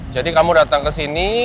jadi kamu datang ke sini